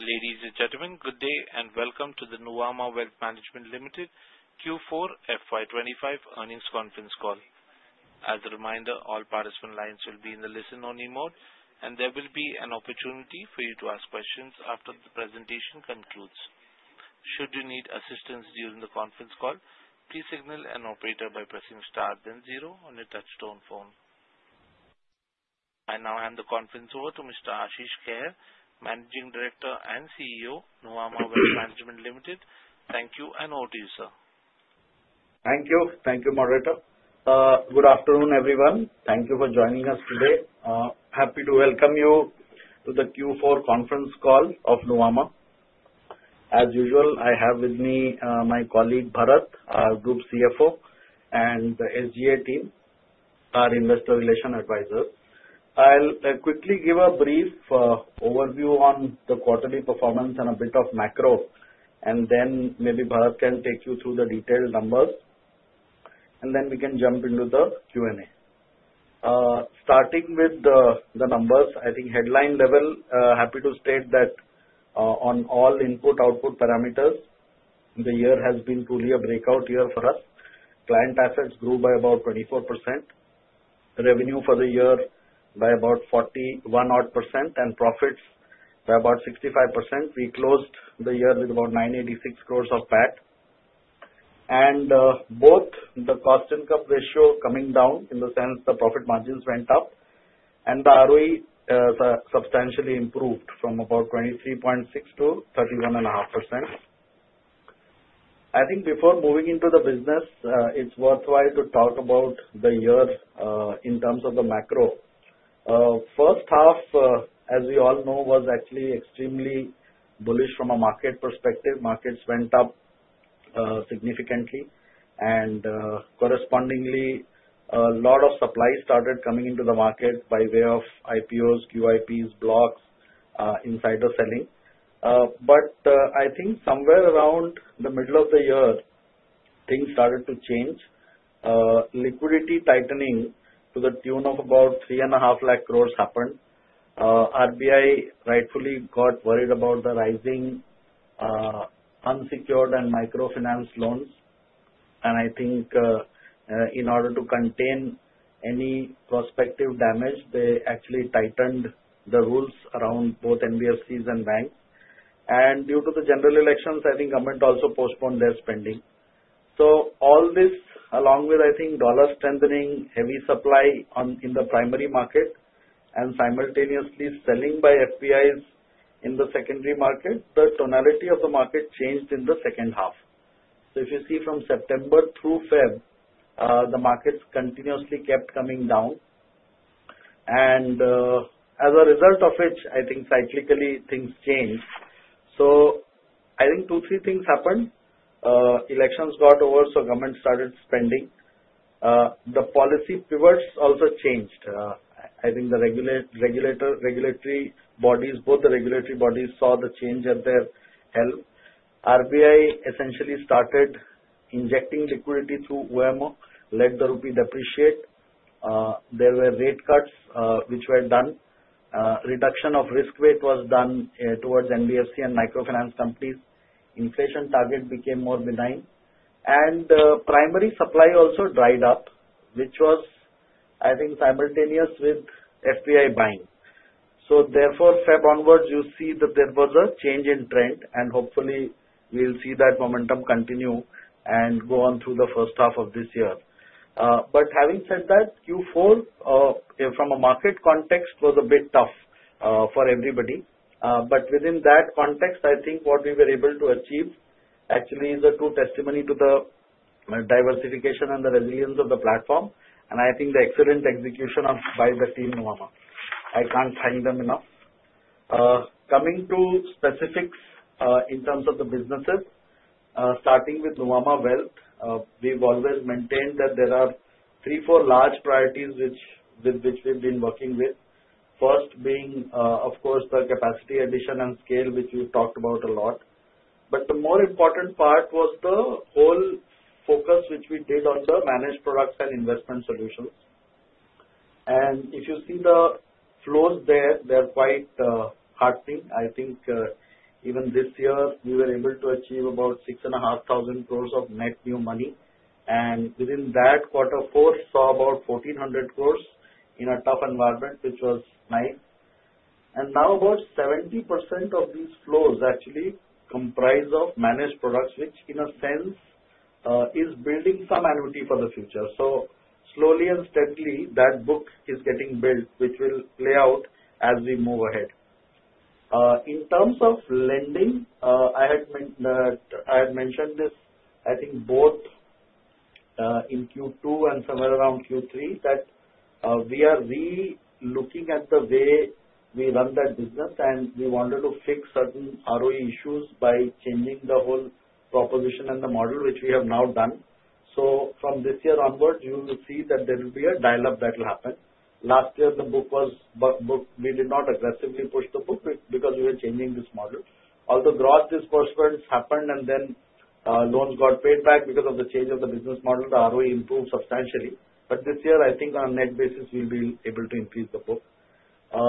Ladies and gentlemen, good day and welcome to the Nuvama Wealth Management Limited Q4 FY2025 earnings conference call. As a reminder, all participant lines will be in the listen-only mode, and there will be an opportunity for you to ask questions after the presentation concludes. Should you need assistance during the conference call, please signal an operator by pressing star then zero on your touchtone phone. I now hand the conference over to Mr. Ashish Kehair, Managing Director and CEO, Nuvama Wealth Management Limited. Thank you and over to you, sir. Thank you. Thank you, Operator. Good afternoon, everyone. Thank you for joining us today. Happy to welcome you to the Q4 conference call of Nuvama. As usual, I have with me my colleague Bharat, our Group CFO, and the SGA team, our Investor Relations Advisor. I'll quickly give a brief overview on the quarterly performance and a bit of macro, and then maybe Bharat can take you through the detailed numbers, and then we can jump into the Q&A. Starting with the numbers, I think headline level, happy to state that on all input-output parameters, the year has been truly a breakout year for us. Client assets grew by about 24%, revenue for the year by about 41%, and profits by about 65%. We closed the year with about 986 crores of PAT. Both the cost-to-income ratio coming down, in the sense the profit margins went up, and the ROE substantially improved from about 23.6% to 31.5%. I think before moving into the business, it's worthwhile to talk about the year in terms of the macro. First half, as we all know, was actually extremely bullish from a market perspective. Markets went up significantly, and correspondingly, a lot of supply started coming into the market by way of IPOs, QIPs, blocks, insider selling. But I think somewhere around the middle of the year, things started to change. Liquidity tightening to the tune of about 3.5 lakh crores happened. RBI rightfully got worried about the rising unsecured and microfinance loans. And I think in order to contain any prospective damage, they actually tightened the rules around both NBFCs and banks. And due to the general elections, I think government also postponed their spending. So all this, along with, I think, dollar strengthening, heavy supply in the primary market, and simultaneously selling by FPIs in the secondary market, the tonality of the market changed in the second half. So if you see from September through February, the markets continuously kept coming down. And as a result of it, I think cyclically things changed. So I think two, three things happened. Elections got over, so government started spending. The policy pivots also changed. I think the regulatory bodies, both the regulatory bodies saw the change at their help. RBI essentially started injecting liquidity through OMO, let the rupee depreciate. There were rate cuts which were done. Reduction of risk weight was done towards NBFC and microfinance companies. Inflation target became more benign. And the primary supply also dried up, which was, I think, simultaneous with FPI buying. Therefore, February onwards, you see that there was a change in trend, and hopefully, we'll see that momentum continue and go on through the first half of this year. But having said that, Q4 from a market context was a bit tough for everybody. But within that context, I think what we were able to achieve actually is a true testimony to the diversification and the resilience of the platform. And I think the excellent execution by the team Nuvama. I can't thank them enough. Coming to specifics in terms of the businesses, starting with Nuvama Wealth, we've always maintained that there are three, four large priorities with which we've been working with. First being, of course, the capacity addition and scale, which we've talked about a lot. But the more important part was the whole focus which we did on the managed products and investment solutions. And if you see the flows there, they're quite heartening. I think even this year, we were able to achieve about 6,500 crores of net new money. And within that, quarter four saw about 1,400 crores in a tough environment, which was nice. And now about 70% of these flows actually comprise of managed products, which in a sense is building some annuity for the future. So slowly and steadily, that book is getting built, which will play out as we move ahead. In terms of lending, I had mentioned this, I think both in Q2 and somewhere around Q3, that we are re-looking at the way we run that business, and we wanted to fix certain ROE issues by changing the whole proposition and the model, which we have now done. So from this year onwards, you will see that there will be a dial-up that will happen. Last year, the book was booked. We did not aggressively push the book because we were changing this model. Although gross disbursements happened and then loans got paid back because of the change of the business model, the ROE improved substantially. But this year, I think on a net basis, we'll be able to increase the book.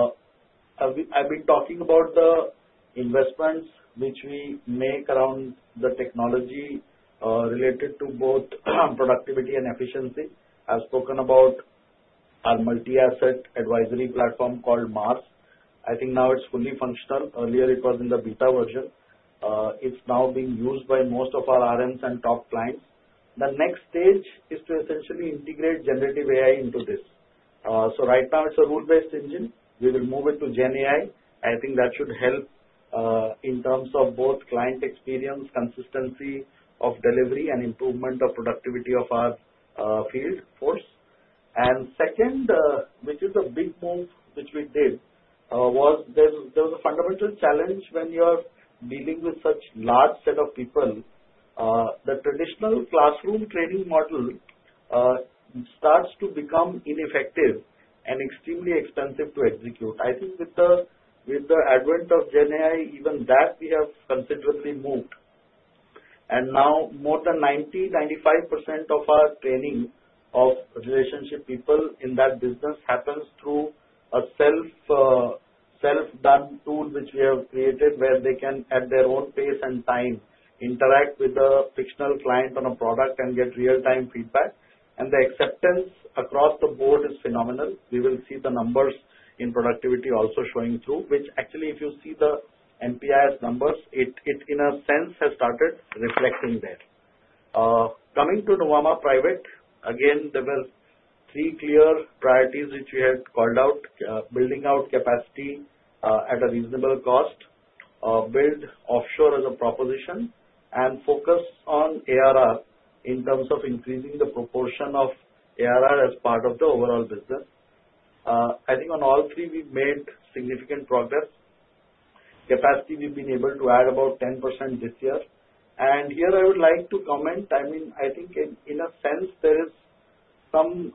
I've been talking about the investments which we make around the technology related to both productivity and efficiency. I've spoken about our multi-asset advisory platform called MARS. I think now it's fully functional. Earlier, it was in the beta version. It's now being used by most of our RMs and top clients. The next stage is to essentially integrate generative AI into this. So right now, it's a rule-based engine. We will move it to GenAI. I think that should help in terms of both client experience, consistency of delivery, and improvement of productivity of our field force. And second, which is a big move which we did, was there was a fundamental challenge when you're dealing with such a large set of people. The traditional classroom training model starts to become ineffective and extremely expensive to execute. I think with the advent of GenAI, even that we have considerably moved. And now more than 90%-95% of our training of relationship people in that business happens through a self-done tool which we have created where they can, at their own pace and time, interact with the fictional client on a product and get real-time feedback. And the acceptance across the board is phenomenal. We will see the numbers in productivity also showing through, which actually, if you see the MPIS numbers, it in a sense has started reflecting there. Coming to Nuvama Private, again, there were three clear priorities which we had called out: building out capacity at a reasonable cost, build offshore as a proposition, and focus on ARR in terms of increasing the proportion of ARR as part of the overall business. I think on all three, we've made significant progress. Capacity, we've been able to add about 10% this year, and here I would like to comment, I mean, I think in a sense, there is some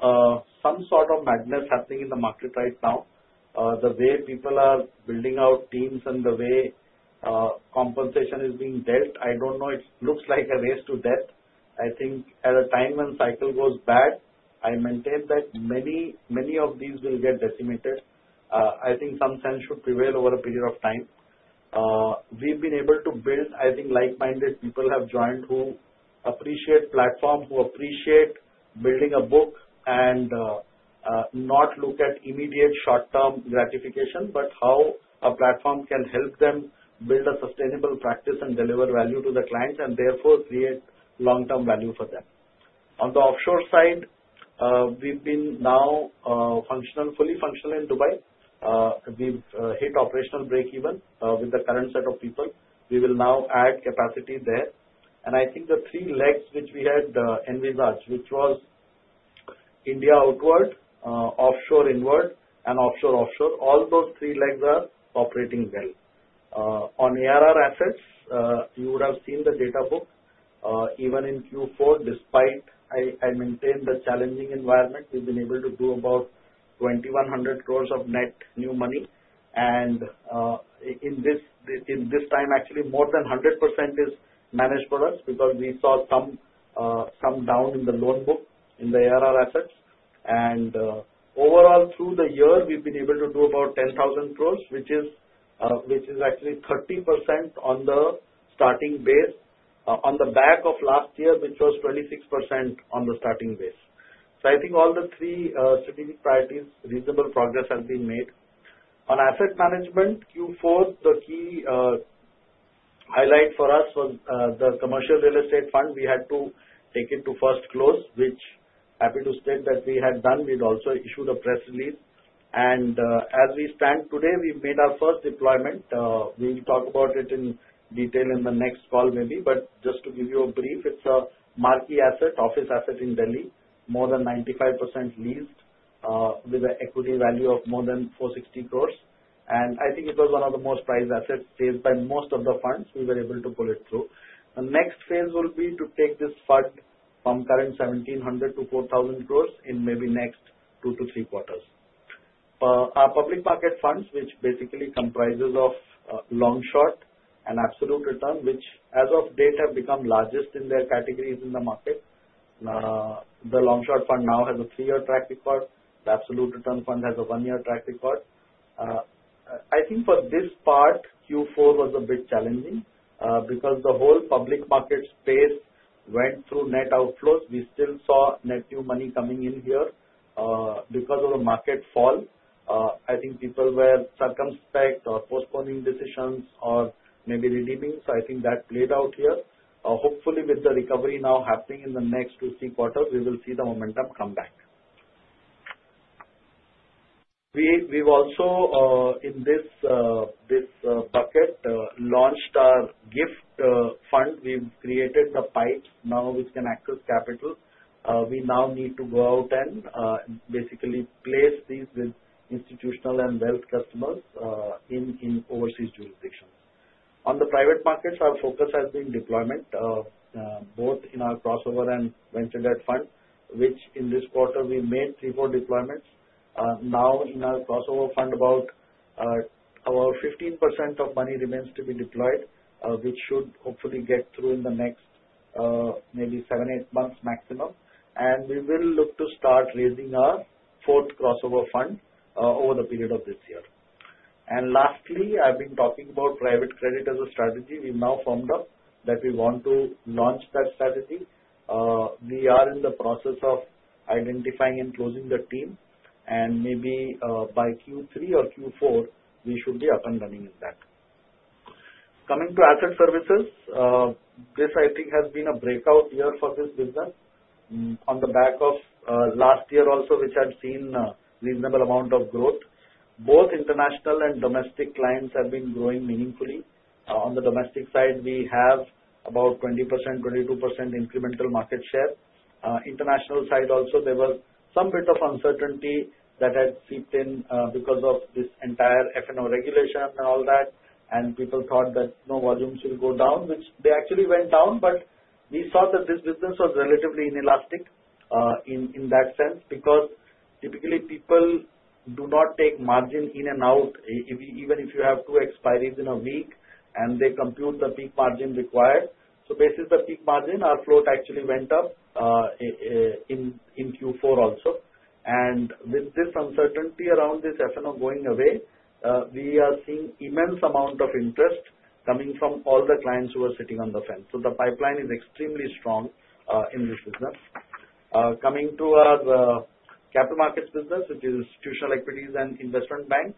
sort of madness happening in the market right now. The way people are building out teams and the way compensation is being dealt, I don't know, it looks like a race to death. I think at a time when cycle goes bad, I maintain that many of these will get decimated. I think some sense should prevail over a period of time. We've been able to build, I think, like-minded people have joined who appreciate platform, who appreciate building a book and not look at immediate short-term gratification, but how a platform can help them build a sustainable practice and deliver value to the client and therefore create long-term value for them. On the offshore side, we've been now fully functional in Dubai. We've hit operational break-even with the current set of people. We will now add capacity there. And I think the three legs which we had, Invisage, which was India outward, offshore inward, and offshore offshore, all those three legs are operating well. On ARR assets, you would have seen the data book. Even in Q4, despite I maintain the challenging environment, we've been able to do about 2,100 crores of net new money. And in this time, actually, more than 100% is managed products because we saw some down in the loan book in the ARR assets. And overall, through the year, we've been able to do about 10,000 crores, which is actually 30% on the starting base on the back of last year, which was 26% on the starting base. So I think all the three strategic priorities, reasonable progress has been made. On asset management, Q4, the key highlight for us was the commercial real estate fund. We had to take it to first close, which happy to state that we had done. We'd also issued a press release. And as we stand today, we've made our first deployment. We'll talk about it in detail in the next call maybe. But just to give you a brief, it's a marquee asset, office asset in Delhi, more than 95% leased with an equity value of more than 460 crores. And I think it was one of the most prized assets sought by most of the funds. We were able to pull it through. The next phase will be to take this fund from current 1,700 crores to 4,000 crores in maybe next two to three quarters. Our public market funds, which basically comprises of long-short and absolute return, which as of date have become largest in their categories in the market. The long-short fund now has a three-year track record. The absolute return fund has a one-year track record. I think for this part, Q4 was a bit challenging because the whole public market space went through net outflows. We still saw net new money coming in here because of the market fall. I think people were circumspect or postponing decisions or maybe redeeming. So I think that played out here. Hopefully, with the recovery now happening in the next two, three quarters, we will see the momentum come back. We've also, in this bucket, launched our GIFT fund. We've created the pipes now, which can access capital. We now need to go out and basically place these with institutional and wealth customers in overseas jurisdictions. On the private markets, our focus has been deployment both in our Crossover and Venture Debt Fund, which in this quarter we made three or four deployments. Now, in our Crossover Fund, about 15% of money remains to be deployed, which should hopefully get through in the next maybe seven, eight months maximum. And we will look to start raising our fourth Crossover Fund over the period of this year. And lastly, I've been talking about Private Credit as a strategy. We've now formed up that we want to launch that strategy. We are in the process of identifying and closing the team. And maybe by Q3 or Q4, we should be up and running in that. Coming to Asset Services, this I think has been a breakout year for this business on the back of last year also, which had seen a reasonable amount of growth. Both international and domestic clients have been growing meaningfully. On the domestic side, we have about 20%-22% incremental market share. International side also, there was some bit of uncertainty that had seeped in because of this entire F&O regulation and all that. People thought that volumes will go down, which they actually went down. We saw that this business was relatively inelastic in that sense because typically people do not take margin in and out. Even if you have two expiries in a week and they compute the peak margin required. Basically, the peak margin, our float actually went up in Q4 also. With this uncertainty around this F&O going away, we are seeing immense amount of interest coming from all the clients who are sitting on the fence. The pipeline is extremely strong in this business. Coming to our capital markets business, which is institutional equities and investment bank,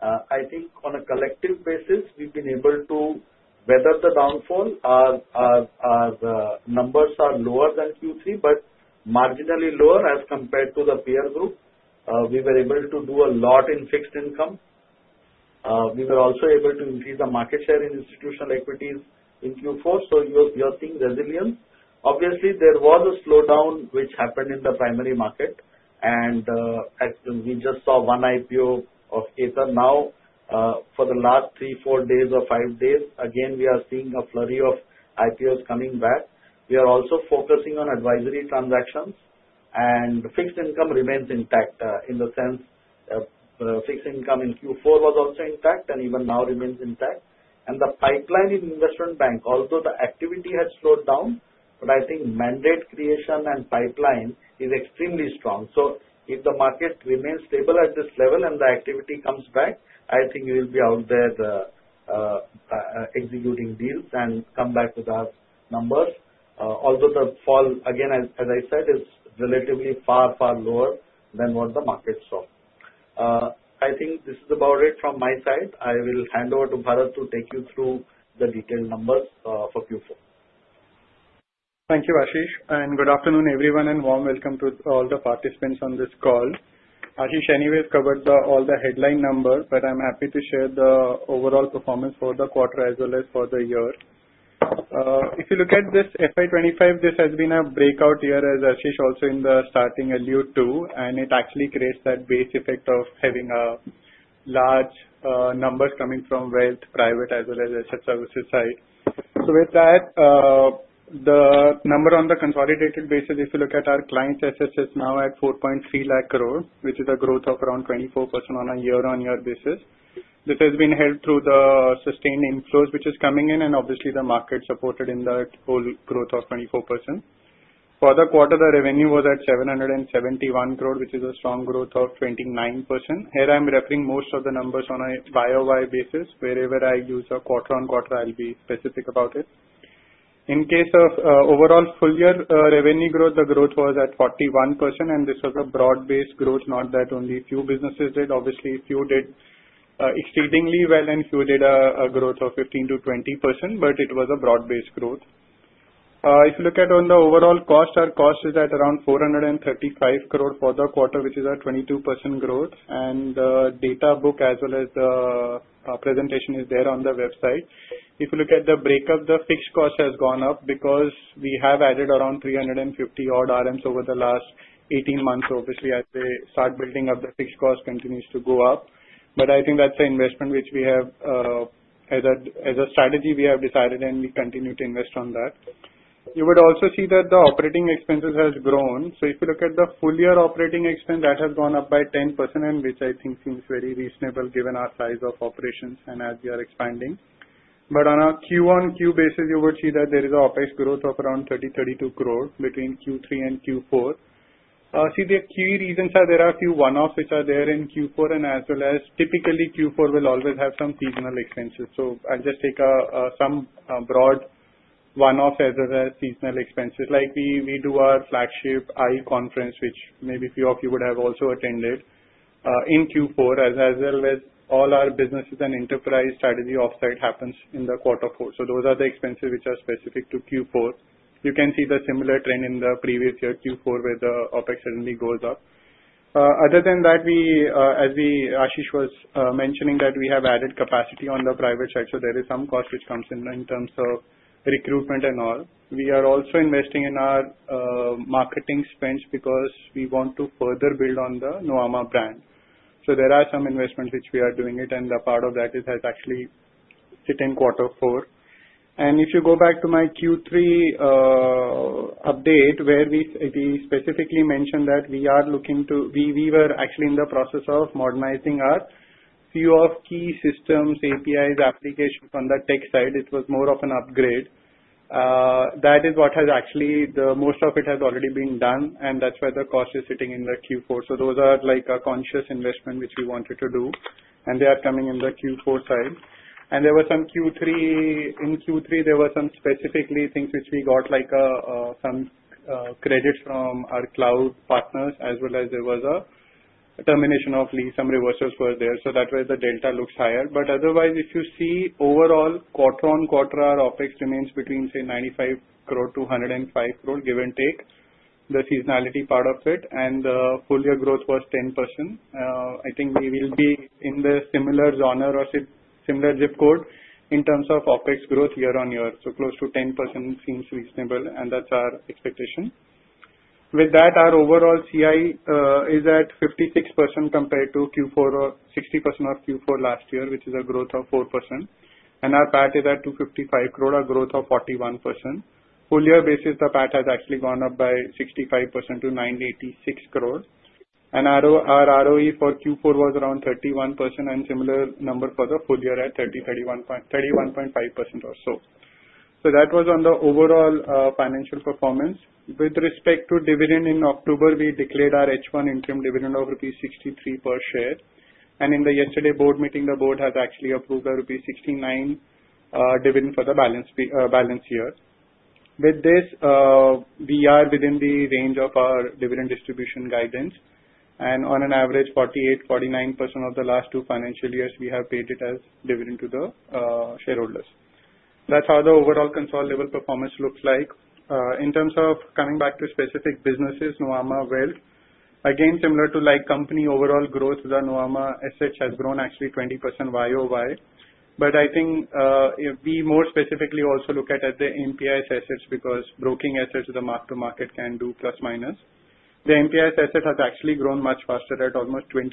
I think on a collective basis, we've been able to weather the downfall. Our numbers are lower than Q3, but marginally lower as compared to the peer group. We were able to do a lot in fixed income. We were also able to increase the market share in institutional equities in Q4. So you're seeing resilience. Obviously, there was a slowdown which happened in the primary market. And we just saw one IPO of KFin. Now, for the last three, four days, or five days, again, we are seeing a flurry of IPOs coming back. We are also focusing on advisory transactions. And fixed income remains intact in the sense fixed income in Q4 was also intact and even now remains intact. And the pipeline in investment bank, although the activity has slowed down, but I think mandate creation and pipeline is extremely strong. So if the market remains stable at this level and the activity comes back, I think we'll be out there executing deals and come back with our numbers. Although the fall, again, as I said, is relatively far, far lower than what the market saw. I think this is about it from my side. I will hand over to Bharat to take you through the detailed numbers for Q4. Thank you, Ashish. Good afternoon, everyone, and warm welcome to all the participants on this call. Ashish anyways covered all the headline numbers, but I'm happy to share the overall performance for the quarter as well as for the year. If you look at this FY2025, this has been a breakout year as Ashish also alluded to, and it actually creates that base effect of having large numbers coming from wealth, private, as well as asset services side. So with that, the number on the consolidated basis, if you look at our clients' assets, is now at 4.3 lakh crore, which is a growth of around 24% on a year-on-year basis. This has been helped through the sustained inflows, which are coming in, and obviously, the market supported the whole growth of 24%. For the quarter, the revenue was at 771 crore, which is a strong growth of 29%. Here I'm referring most of the numbers on an underlying basis. Wherever I use a quarter-on-quarter, I'll be specific about it. In case of overall full-year revenue growth, the growth was at 41%, and this was a broad-based growth, not that only a few businesses did. Obviously, a few did exceedingly well, and a few did a growth of 15%-20%, but it was a broad-based growth. If you look at the overall cost, our cost is at around 435 crore for the quarter, which is a 22% growth. The data book as well as the presentation is there on the website. If you look at the breakup, the fixed cost has gone up because we have added around 350 odd RMs over the last 18 months. Obviously, as they start building up, the fixed cost continues to go up. I think that's an investment which we have as a strategy we have decided, and we continue to invest on that. You would also see that the operating expenses have grown. If you look at the full-year operating expense, that has gone up by 10%, which I think seems very reasonable given our size of operations and as we are expanding. But on a Q-on-Q basis, you would see that there is an OpEx growth of around 30 crore-32 crore between Q3 and Q4. See, the key reasons are there are a few one-offs which are there in Q4, and as well as typically Q4 will always have some seasonal expenses. So I'll just take some broad one-offs as well as seasonal expenses. Like we do our flagship IE conference, which maybe a few of you would have also attended in Q4, as well as all our businesses and enterprise strategy offsite happens in the quarter four. So those are the expenses which are specific to Q4. You can see the similar trend in the previous year, Q4, where the OpEx certainly goes up. Other than that, as Ashish was mentioning, that we have added capacity on the private side. So there is some cost which comes in terms of recruitment and all. We are also investing in our marketing spends because we want to further build on the Nuvama brand. So there are some investments which we are doing it, and a part of that has actually sit in quarter four. And if you go back to my Q3 update, where we specifically mentioned that we were actually in the process of modernizing our few key systems, APIs, applications on the tech side. It was more of an upgrade. That is what has actually the most of it has already been done, and that's why the cost is sitting in the Q4. So those are like a conscious investment which we wanted to do, and they are coming in the Q4 side. There were some in Q3. In Q3, there were some specific things which we got like some credits from our cloud partners, as well as there was a termination of lease. Some reversals were there. So that way, the delta looks higher. But otherwise, if you see overall quarter-on-quarter, our OpEx remains between, say, 95 crore-105 crore, give and take the seasonality part of it. The full-year growth was 10%. I think we will be in the similar zone or similar zip code in terms of OpEx growth year-on-year. So close to 10% seems reasonable, and that's our expectation. With that, our overall CI is at 56% compared to 60% in Q4 last year, which is a growth of 4%. Our PAT is at 255 crore, a growth of 41%. Full-year basis, the PAT has actually gone up by 65% to 986 crore. And our ROE for Q4 was around 31% and similar number for the full-year at 31.5% or so. So that was on the overall financial performance. With respect to dividend, in October, we declared our H1 interim dividend of rupees 63 per share. And in the yesterday board meeting, the board has actually approved a rupees 69 dividend for the balance year. With this, we are within the range of our dividend distribution guidance. And on average, 48%-49% of the last two financial years, we have paid it as dividend to the shareholders. That's how the overall consolidated performance looks like. In terms of coming back to specific businesses, Nuvama Wealth, again, similar to company overall growth, the Nuvama assets has grown actually 20% YoY. But I think we more specifically also look at the MPIS assets because broking assets to the mark-to-market can do plus-minus. The MPIS asset has actually grown much faster at almost 29%,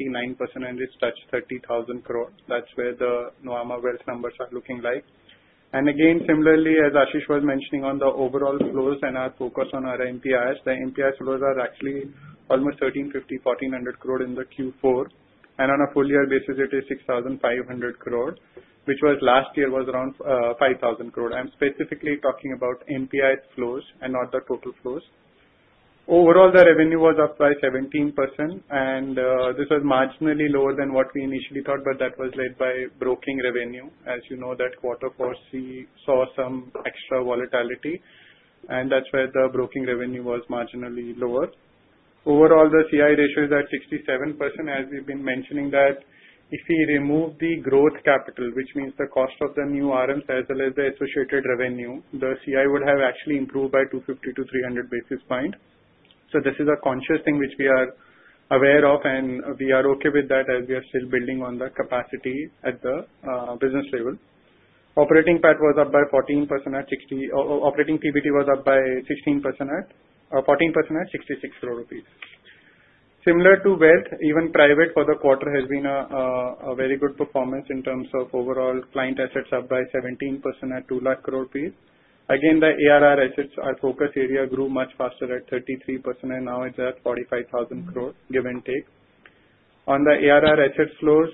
and it's touched 30,000 crore. That's where the Nuvama Wealth numbers are looking like. And again, similarly, as Ashish was mentioning on the overall flows and our focus on our MPIS, the MPIS flows are actually almost 1,350-1,400 crore in the Q4. And on a full-year basis, it is 6,500 crore, which last year was around 5,000 crore. I'm specifically talking about MPIS flows and not the total flows. Overall, the revenue was up by 17%, and this was marginally lower than what we initially thought, but that was led by broking revenue. As you know, that quarter four, we saw some extra volatility, and that's where the broking revenue was marginally lower. Overall, the CI ratio is at 67%. As we've been mentioning, that if we remove the growth capital, which means the cost of the new RMs as well as the associated revenue, the CI would have actually improved by 250 basis points-300 basis points. So this is a conscious thing which we are aware of, and we are okay with that as we are still building on the capacity at the business level. Operating PAT was up by 14% at 60 crore. Operating PBT was up by 16% at 66 crore rupees. Similar to wealth, even private for the quarter has been a very good performance in terms of overall client assets up by 17% at 2 lakh crore rupees. Again, the ARR assets, our focus area grew much faster at 33%, and now it's at 45,000 crore, give or take. On the ARR asset flows,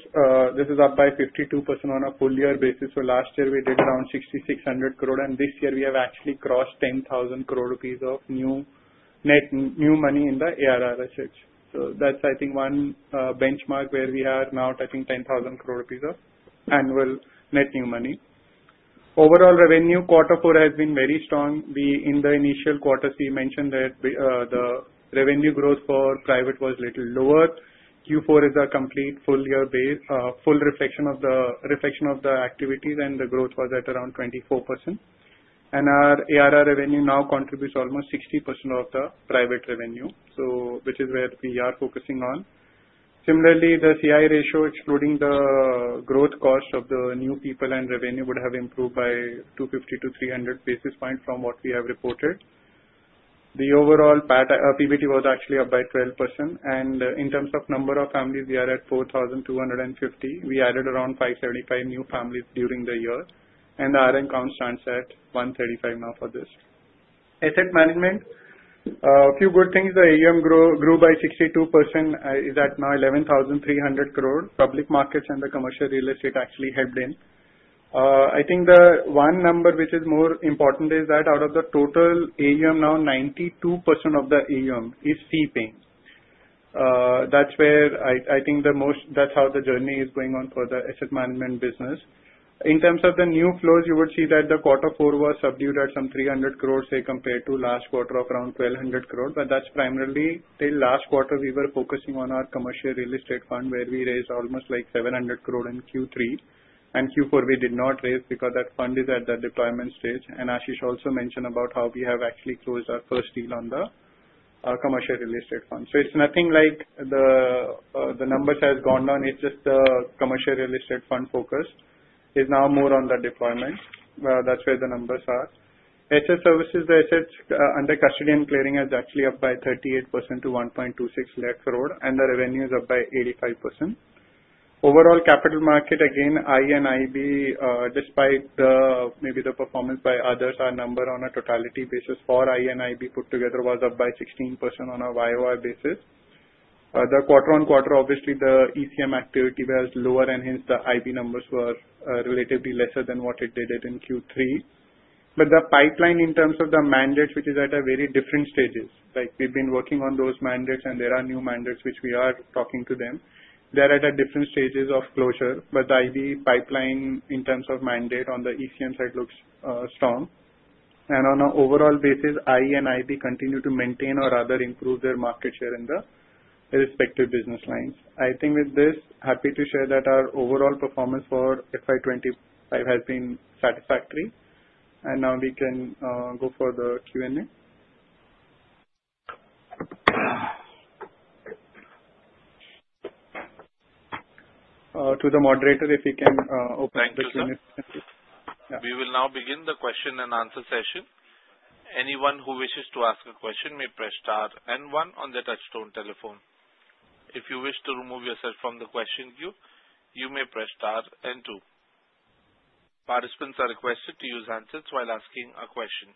this is up by 52% on a full-year basis. So last year, we did around 6,600 crore, and this year, we have actually crossed 10,000 crore rupees of new money in the ARR assets. So that's, I think, one benchmark where we are now touching 10,000 crore rupees of annual net new money. Overall revenue, quarter four has been very strong. In the initial quarters, we mentioned that the revenue growth for private was a little lower. Q4 is a complete full-year full reflection of the activities, and the growth was at around 24%. And our ARR revenue now contributes almost 60% of the private revenue, which is where we are focusing on. Similarly, the CI ratio, excluding the growth cost of the new people and revenue, would have improved by 250 basis points-300 basis points from what we have reported. The overall PBT was actually up by 12%. And in terms of number of families, we are at 4,250. We added around 575 new families during the year, and the RM count stands at 135 now for this. Asset management, a few good things. The AUM grew by 62%. It's at now 11,300 crore. Public markets and the commercial real estate actually helped in. I think the one number which is more important is that out of the total AUM, now 92% of the AUM is fee paying. That's where I think the most that's how the journey is going on for the asset management business. In terms of the new flows, you would see that the quarter four was subdued at some 300 crore, say, compared to last quarter of around 1,200 crore. But that's primarily till last quarter, we were focusing on our commercial real estate fund, where we raised almost like 700 crore in Q3. Q4, we did not raise because that fund is at the deployment stage. Ashish also mentioned about how we have actually closed our first deal on the Commercial Real Estate Fund. It's nothing like the numbers have gone down. It's just the Commercial Real Estate Fund focus is now more on the deployment. That's where the numbers are. Asset Services, the assets under custody and clearing are actually up by 38% to 1.26 lakh crore, and the revenue is up by 85%. Overall Capital Markets, again, our IB, despite maybe the performance by others, our number on a totality basis for our IB put together was up by 16% on a YoY basis. The quarter-on-quarter, obviously, the ECM activity was lower, and hence the IB numbers were relatively lesser than what it did in Q3. But the pipeline in terms of the mandates, which is at a very different stage. We've been working on those mandates, and there are new mandates which we are talking to them. They're at a different stage of closure, but the IB pipeline in terms of mandate on the ECM side looks strong. And on an overall basis, our IB continues to maintain or rather improve their market share in the respective business lines. I think with this, happy to share that our overall performance for FY2025 has been satisfactory. And now we can go for the Q&A. To the moderator, if you can open the Q&A. Thank you. We will now begin the question-and -answer session. Anyone who wishes to ask a question may press star and one on the touch-tone telephone. If you wish to remove yourself from the question queue, you may press star and two. Participants are requested to use handsets while asking a question.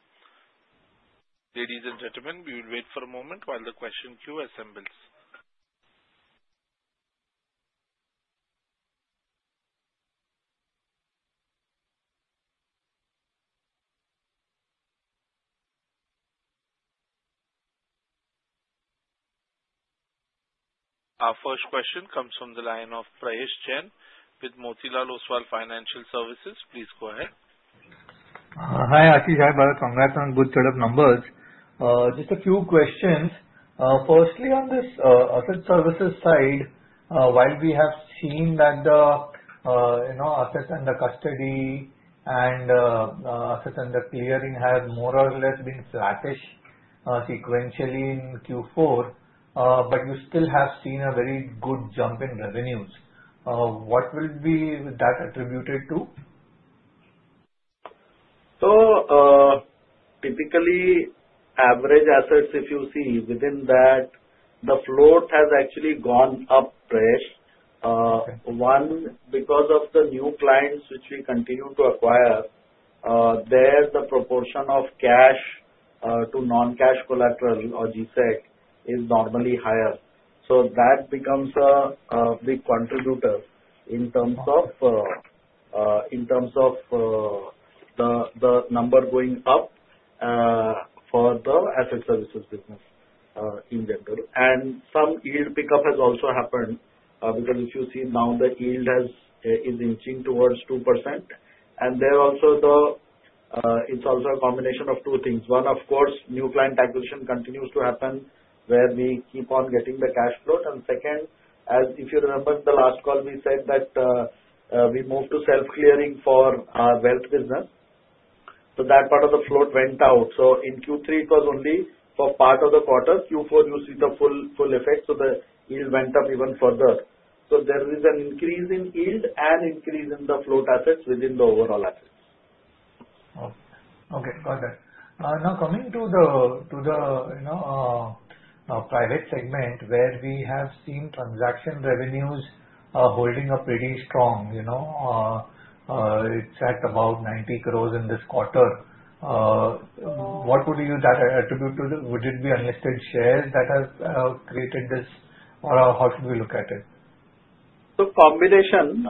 Ladies and gentlemen, we will wait for a moment while the question queue assembles. Our first question comes from the line of Prayesh Jain with Motilal Oswal Financial Services. Please go ahead. Hi, Ashish. I'd like to congratulate on good set of numbers. Just a few questions. Firstly, on this asset services side, while we have seen that the assets under custody and assets under clearing have more or less been flattish sequentially in Q4, but you still have seen a very good jump in revenues. What will be that attributed to? So typically, average assets, if you see within that, the float has actually gone up, Prayesh. One, because of the new clients which we continue to acquire, there the proportion of cash to non-cash collateral or G-Sec is normally higher. So that becomes a big contributor in terms of the number going up for the asset services business in general. And some yield pickup has also happened because if you see now, the yield is inching towards 2%. And there also, it's also a combination of two things. One, of course, new client acquisition continues to happen where we keep on getting the cash float. And second, as if you remember the last call, we said that we moved to self-clearing for our wealth business. So that part of the float went out. So in Q3, it was only for part of the quarter. Q4, you see the full effect. So the yield went up even further. So there is an increase in yield and increase in the float assets within the overall assets. Okay. Okay. Got it. Now coming to the private segment, where we have seen transaction revenues holding up pretty strong. It's at about 90 crore in this quarter. What would you attribute this to? Would it be unlisted shares that have created this, or how should we look at it? So, a combination.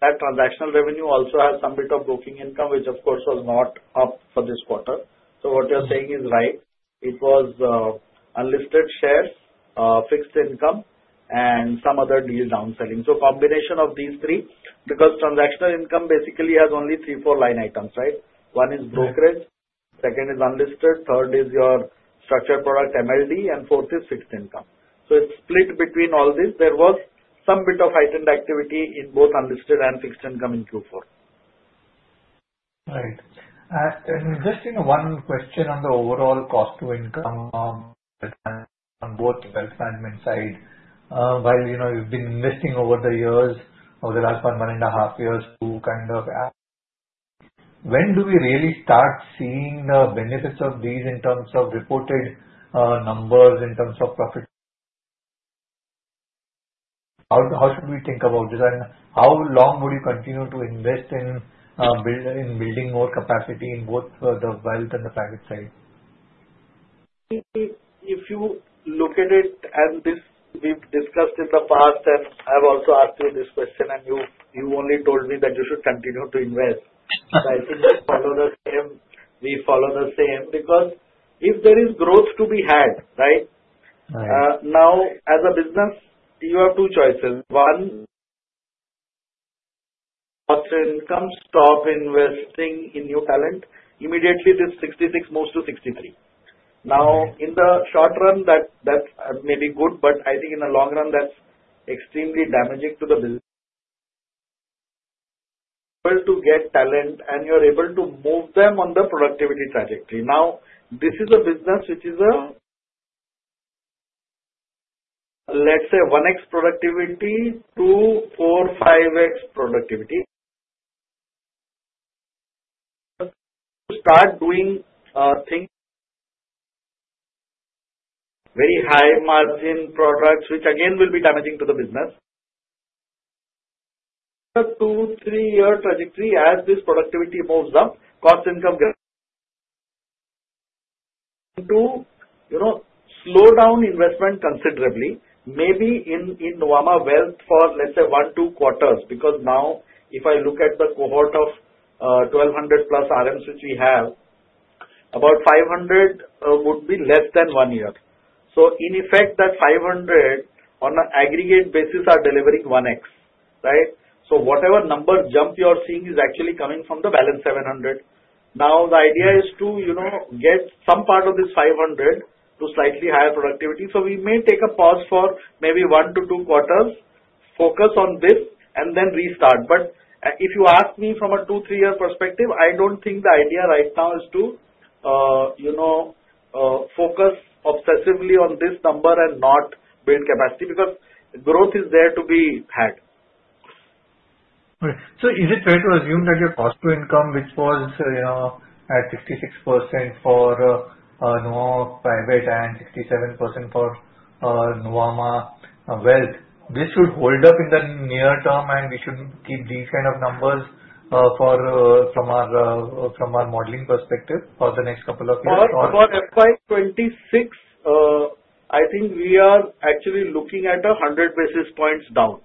That transactional revenue also has some bit of broking income, which, of course, was not up for this quarter. So what you're saying is right. It was unlisted shares, fixed income, and some other deal downselling. So combination of these three, because transactional income basically has only three, four line items, right? One is brokerage, second is unlisted, third is your structured product MLD, and fourth is fixed income. So it's split between all these. There was some bit of heightened activity in both unlisted and fixed income in Q4. Right. Just one question on the overall cost to income on both wealth management side. While you've been investing over the years, over the last one and a half years. When do we really start seeing the benefits of these in terms of reported numbers, in terms of profit? How should we think about this, and how long would you continue to invest in building more capacity in both the wealth and the private side? We've discussed in the past, and I've also asked you this question, and you only told me that you should continue to invest. But I think we follow the same because if there is growth to be had, right? Now, as a business, you have two choices. One, cost to income stop investing in new talent. Immediately, this 66 moves to 63. Now, in the short run, that may be good, but I think in the long run, that's extremely damaging to the business. Able to get talent, and you're able to move them on the productivity trajectory. Now, this is a business which is a, let's say, 1x productivity, 2x, 4x, 5x productivity. To start doing things, very high margin products, which again will be damaging to the business. The two, three-year trajectory, as this productivity moves up, cost to income slow down investment considerably. Maybe in Nuvama Wealth for, let's say, one, two quarters, because now, if I look at the cohort of 1,200+ RMs which we have, about 500 would be less than one year. So in effect, that 500 on an aggregate basis are delivering 1x, right? So whatever number jump you are seeing is actually coming from the balance 700. Now, the idea is to get some part of this 500 to slightly higher productivity. So we may take a pause for maybe one to two quarters, focus on this, and then restart. But if you ask me from a two, three-year perspective, I don't think the idea right now is to focus obsessively on this number and not build capacity because growth is there to be had. So is it fair to assume that your cost-to-income, which was at 66% for Nuvama Private and 67% for Nuvama Wealth, this should hold up in the near term, and we should keep these kind of numbers from our modeling perspective for the next couple of years? For FY2026, I think we are actually looking at 100 basis points down.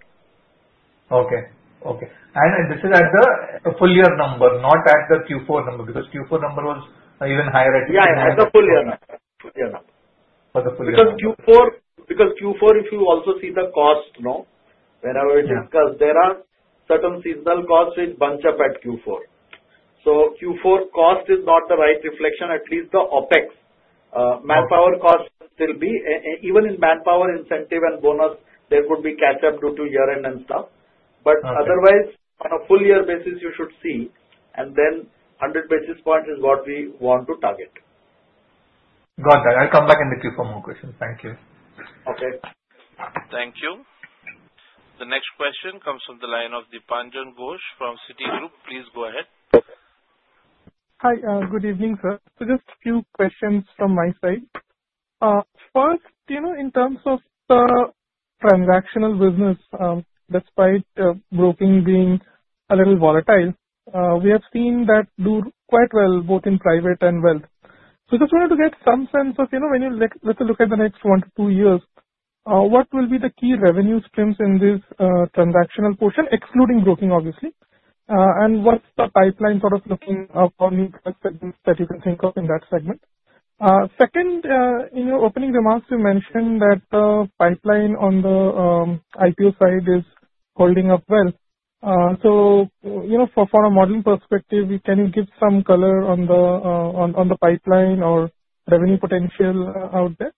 Okay. Okay. And this is at the full-year number, not at the Q4 number, because Q4 number was even higher at the beginning. Yeah, at the full-year number. Because Q4, if you also see the cost, whenever we discuss, there are certain seasonal costs which bunch up at Q4. So Q4 cost is not the right reflection, at least the OPEX. Manpower cost will be. Even in manpower incentive and bonus, there could be catch-up due to year-end and stuff. But otherwise, on a full-year basis, you should see. And then 100 basis points is what we want to target. Got that. I'll come back in the queue for more questions. Thank you. Okay. Thank you. The next question comes from the line of Dipanjan Ghosh from Citigroup. Please go ahead. Hi. Good evening, sir. So just a few questions from my side. First, in terms of the transactional business, despite broking being a little volatile, we have seen that do quite well both in private and wealth. So just wanted to get some sense of, let's look at the next one to two years, what will be the key revenue streams in this transactional portion, excluding broking, obviously? And what's the pipeline sort of looking for new segments that you can think of in that segment? Second, in your opening remarks, you mentioned that the pipeline on the IPO side is holding up well. So from a modeling perspective, can you give some color on the pipeline or revenue potential out there?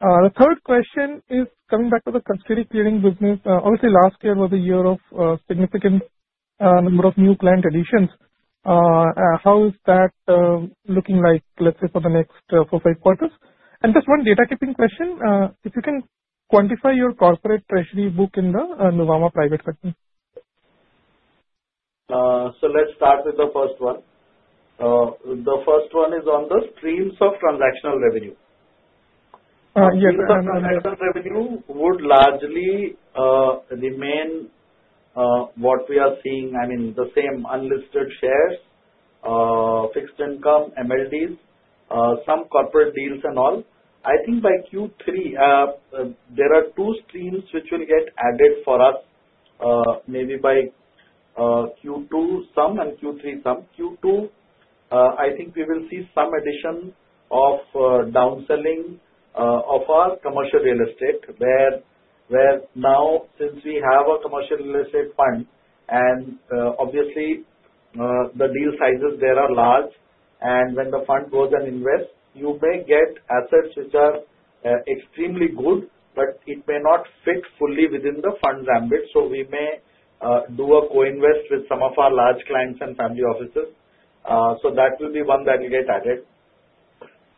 The third question is coming back to the custody clearing business. Obviously, last year was a year of significant number of new client additions. How is that looking like, let's say, for the next four, five quarters? And just one housekeeping question. If you can quantify your corporate treasury book in the Nuvama Private segment. So let's start with the first one. The first one is on the streams of transactional revenue. Yes. Transactional revenue would largely remain what we are seeing. I mean, the same unlisted shares, fixed income, MLDs, some corporate deals and all. I think by Q3, there are two streams which will get added for us maybe by Q2 some and Q3 some. Q2, I think we will see some addition of cross-selling of our commercial real estate, where now, since we have a commercial real estate fund, and obviously, the deal sizes there are large. And when the fund goes and invests, you may get assets which are extremely good, but it may not fit fully within the fund's ambit. So we may do a co-invest with some of our large clients and family offices. So that will be one that will get added.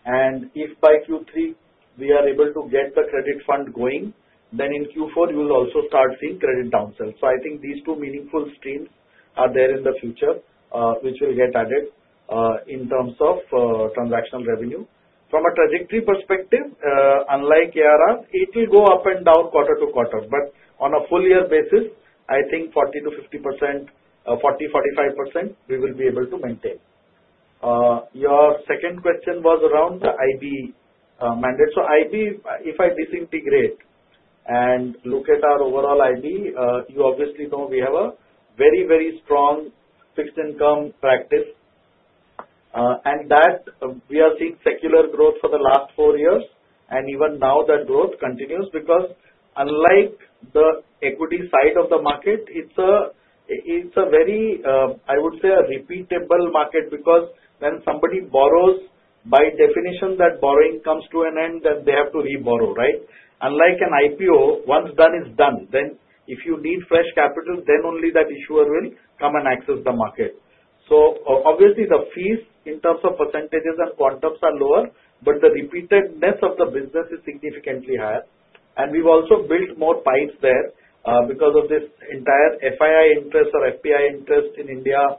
And if by Q3, we are able to get the credit fund going, then in Q4, you will also start seeing credit downsell. So I think these two meaningful streams are there in the future, which will get added in terms of transactional revenue. From a trajectory perspective, unlike ARR, it will go up and down quarter to quarter. But on a full-year basis, I think 40%-50%, 40%-45%, we will be able to maintain. Your second question was around the IB mandate. So IB, if I disintegrate and look at our overall IB, you obviously know we have a very, very strong fixed income practice. And that we are seeing secular growth for the last four years. Even now, that growth continues because unlike the equity side of the market, it's a very, I would say, a repeatable market because when somebody borrows, by definition, that borrowing comes to an end, then they have to reborrow, right? Unlike an IPO, once done is done. Then if you need fresh capital, then only that issuer will come and access the market. So obviously, the fees in terms of percentages and quantums are lower, but the repeatedness of the business is significantly higher. And we've also built more pipes there because of this entire FII interest or FPI interest in India,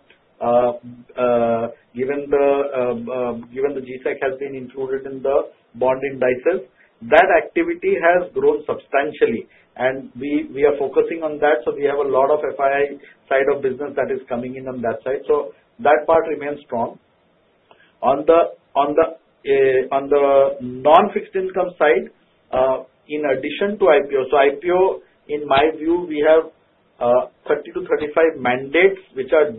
given the G-Sec has been included in the bond indices. That activity has grown substantially. And we are focusing on that. So we have a lot of FII side of business that is coming in on that side. So that part remains strong. On the non-fixed income side, in addition to IPO, so IPO, in my view, we have 30-35 mandates which are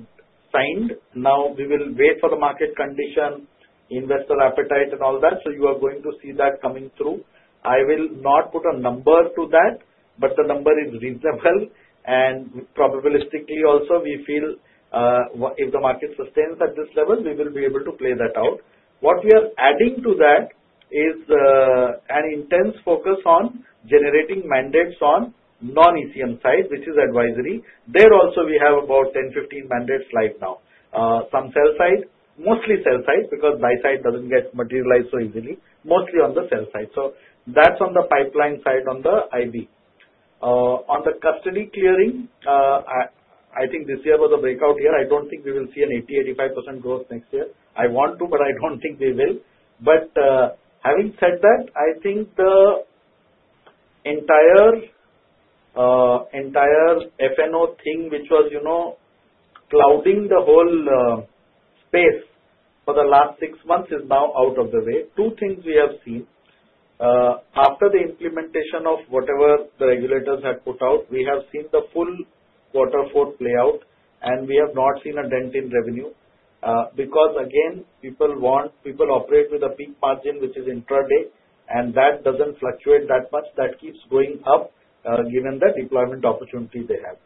signed. Now, we will wait for the market condition, investor appetite, and all that. So you are going to see that coming through. I will not put a number to that, but the number is reasonable. And probabilistically, also, we feel if the market sustains at this level, we will be able to play that out. What we are adding to that is an intense focus on generating mandates on non-ECM side, which is advisory. There also, we have about 10, 15 mandates right now. Some sell side, mostly sell side because buy side doesn't get materialized so easily, mostly on the sell side. So that's on the pipeline side on the IB. On the custody clearing, I think this year was a breakout year. I don't think we will see an 80%-85% growth next year. I want to, but I don't think we will. But having said that, I think the entire F&O thing, which was clouding the whole space for the last six months, is now out of the way. Two things we have seen. After the implementation of whatever the regulators had put out, we have seen the full waterfall play out, and we have not seen a dent in revenue because, again, people operate with a peak margin, which is intraday, and that doesn't fluctuate that much. That keeps going up, given the deployment opportunity they have.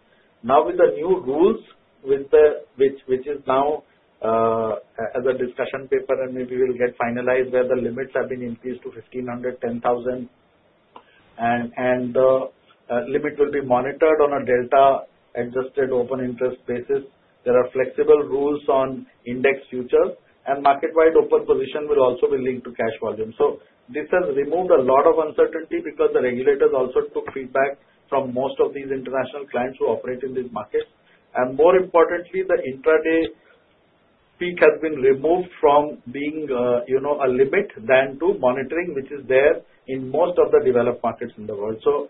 Now, with the new rules, which is now as a discussion paper, and maybe we'll get finalized where the limits have been increased to 1,500, 10,000, and the limit will be monitored on a delta-adjusted open interest basis. There are flexible rules on index futures, and market-wide open position will also be linked to cash volume, so this has removed a lot of uncertainty because the regulators also took feedback from most of these international clients who operate in these markets, and more importantly, the intraday peak has been removed from being a limit to monitoring, which is there in most of the developed markets in the world, so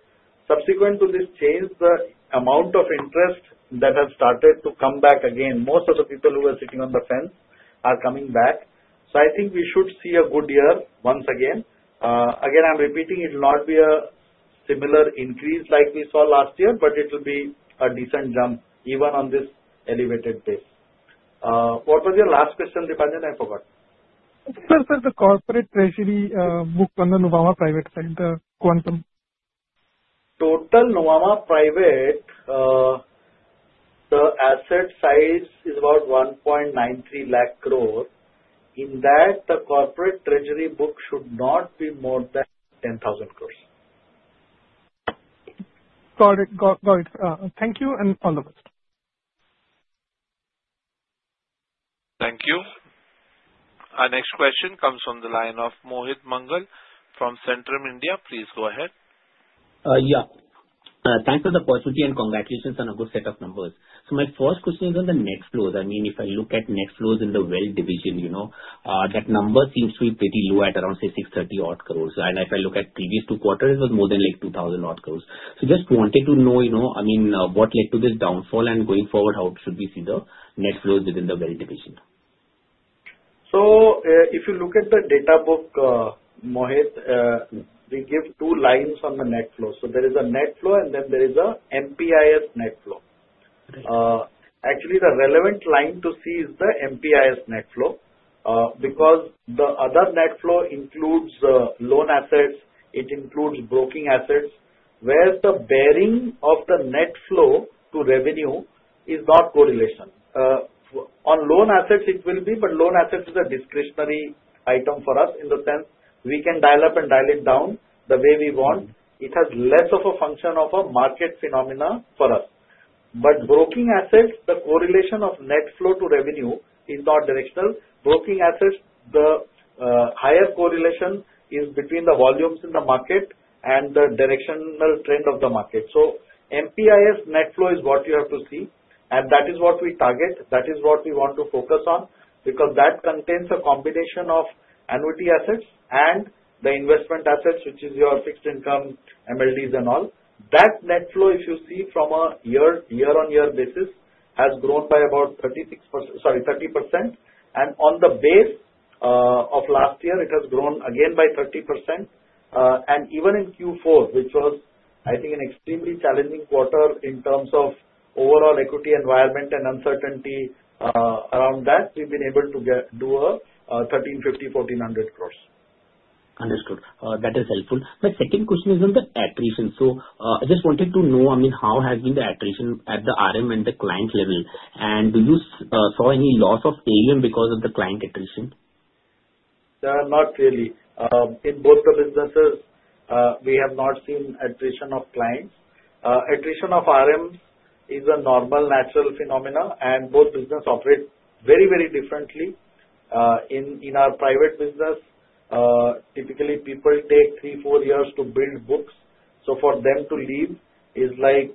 subsequent to this change, the amount of interest that has started to come back again. Most of the people who were sitting on the fence are coming back, so I think we should see a good year once again. Again, I'm repeating, it will not be a similar increase like we saw last year, but it will be a decent jump even on this elevated base. What was your last question, Dipanjan? I forgot. Sir, for the corporate treasury book on the Nuvama Private side, the quantum? Total Nuvama Private, the asset size is about 1.93 lakh crore. In that, the corporate treasury book should not be more than 10,000 crores. Got it. Got it. Thank you and all the best. Thank you. Our next question comes from the line of Mohit Mangal from Centrum India. Please go ahead. Yeah. Thanks for the opportunity and congratulations on a good set of numbers. So my first question is on the net flows. I mean, if I look at net flows in the wealth division, that number seems to be pretty low at around, say, 630 odd crores. And if I look at previous two quarters, it was more than like 2,000 odd crores. Just wanted to know, I mean, what led to this downfall, and going forward, how should we see the net flows within the wealth division? If you look at the data book, Mohit, we give two lines on the net flow. There is a net flow, and then there is an MPIS net flow. Actually, the relevant line to see is the MPIS net flow because the other net flow includes loan assets. It includes broking assets, where the bearing of the net flow to revenue is not correlation. On loan assets, it will be, but loan assets is a discretionary item for us in the sense we can dial up and dial it down the way we want. It has less of a function of a market phenomena for us. Broking assets, the correlation of net flow to revenue is not directional. Broking assets, the higher correlation is between the volumes in the market and the directional trend of the market. So MPIS net flow is what you have to see, and that is what we target. That is what we want to focus on because that contains a combination of annuity assets and the investment assets, which is your fixed income, MLDs, and all. That net flow, if you see from a year-on-year basis, has grown by about 36%, sorry, 30%. And on the base of last year, it has grown again by 30%. And even in Q4, which was, I think, an extremely challenging quarter in terms of overall equity environment and uncertainty around that, we've been able to do a 1,350 crores-1,400 crores. Understood. That is helpful. My second question is on the attrition. I just wanted to know, I mean, how has been the attrition at the RM and the client level? And do you saw any loss of AUM because of the client attrition? Not really. In both the businesses, we have not seen attrition of clients. Attrition of RM is a normal natural phenomenon, and both businesses operate very, very differently. In our private business, typically, people take three, four years to build books. So for them to leave is like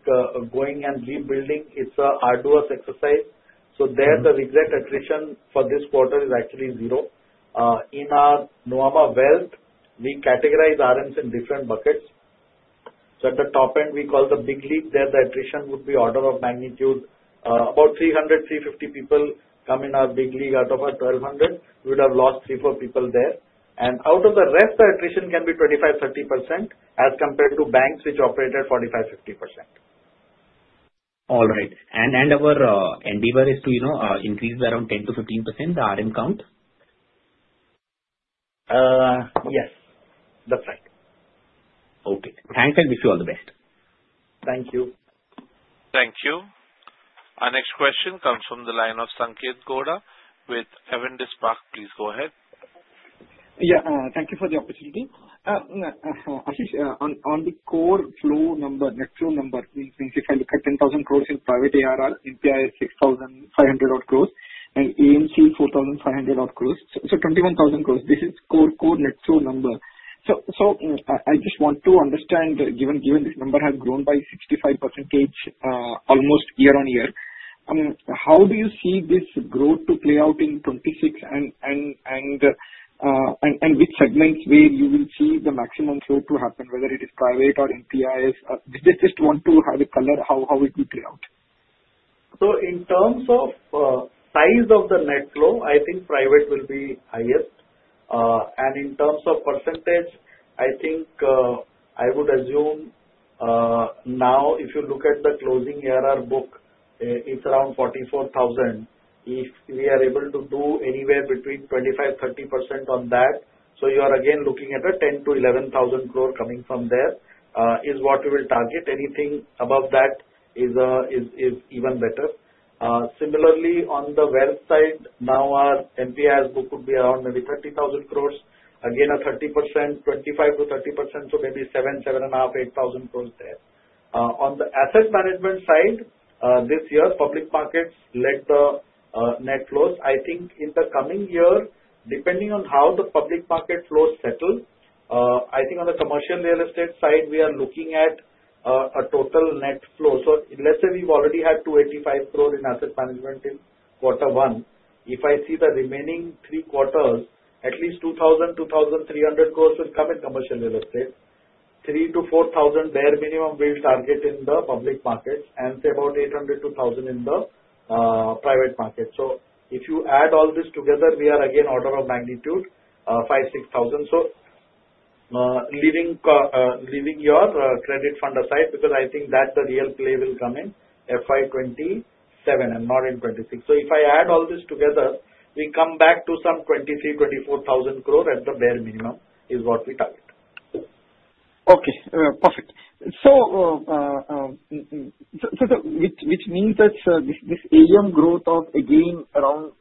going and rebuilding. It's an arduous exercise. So there, the net attrition for this quarter is actually zero. In our Nuvama Wealth, we categorize RMs in different buckets. So at the top end, we call the big league. There, the attrition would be order of magnitude. About 300, 350 people come in our big league out of our 1,200. We would have lost three, four people there. And out of the rest, the attrition can be 25%-30% as compared to banks, which operate at 45%-50%. All right. And our endeavor is to increase by around 10%-15% the RM count? Yes. That's right. Okay. Thanks. I wish you all the best. Thank you. Thank you. Our next question comes from the line of Sanketh Godha with Avendus Spark. Please go ahead. Yeah. Thank you for the opportunity. Ashish, on the core flow number, net flow number, means if I look at 10,000 crores in private ARR, MPI is 6,500 odd crores, and AMC is 4,500 odd crores. So 21,000 crores. This is core net flow number. So I just want to understand, given this number has grown by 65% almost year-on-year, how do you see this growth to play out in 2026 and which segments where you will see the maximum flow to happen, whether it is private or MPIS? I just want to have a color how it will play out. So in terms of size of the net flow, I think private will be highest. And in terms of percentage, I think I would assume now, if you look at the closing ARR book, it's around 44,000. If we are able to do anywhere between 25%-30% on that, so you are again looking at a 10-11 thousand crore coming from there is what we will target. Anything above that is even better. Similarly, on the wealth side, now our MPIS book would be around maybe 30,000 crores. Again, a 30%, 25%-30%, so maybe 7,000, INR 7,500, 8,000 crores there. On the asset management side, this year, public markets led the net flows. I think in the coming year, depending on how the public market flows settle, I think on the commercial real estate side, we are looking at a total net flow. So let's say we've already had 285 crores in asset management in quarter one. If I see the remaining three quarters, at least 2,000 crores- 2,300 crores will come in commercial real estate. 3,000-4,000 bare minimum we'll target in the public markets and say about 800-1,000 in the private markets. So if you add all this together, we are again order of magnitude 5,000-6,000. So, leaving your credit fund aside because I think that's the real play will come in FY 2027 and not in 2026. So if I add all this together, we come back to some 23,000 crore-24,000 crore at the bare minimum, is what we target. Okay. Perfect. So which means that this AUM growth of again around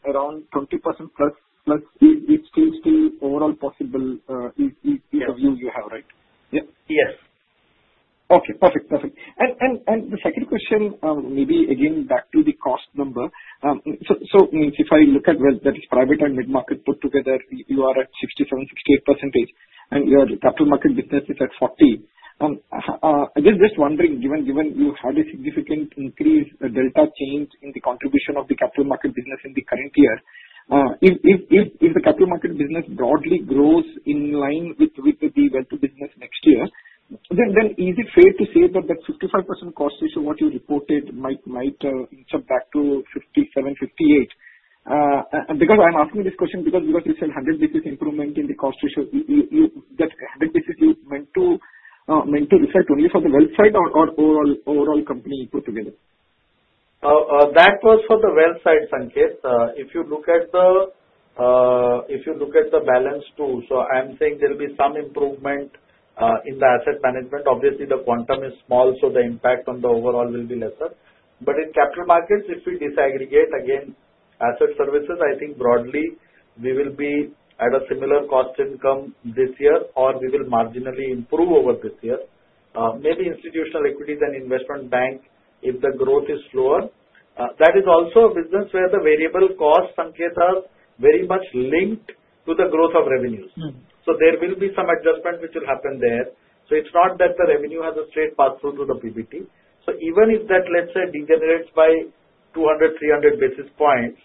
20% plus is still overall possible is the view you have, right? Yeah. Yes. Okay. Perfect. Perfect. And the second question, maybe again back to the cost number. So if I look at wealth, that is private and mid-market put together, you are at 67%-68%, and your capital market business is at 40%. I guess just wondering, given you had a significant increase, a delta change in the contribution of the capital market business in the current year, if the capital market business broadly grows in line with the wealth business next year, then is it fair to say that that 55% cost ratio, what you reported, might inch up back to 57%-58%? Because I'm asking this question because you said 100 basis points improvement in the cost ratio. That 100 basis points, you meant to reflect only for the wealth side or overall company put together? That was for the wealth side, Sanketh. If you look at the balance too, so I'm saying there will be some improvement in the asset management. Obviously, the quantum is small, so the impact on the overall will be lesser. But in capital markets, if we disaggregate again asset services, I think broadly we will be at a similar cost income this year or we will marginally improve over this year. Maybe institutional equities and investment bank, if the growth is slower. That is also a business where the variable costs, Sanketh, are very much linked to the growth of revenues. So there will be some adjustment which will happen there. So it's not that the revenue has a straight path through to the PBT. So even if that, let's say, degenerates by 200 basis points-300 basis points,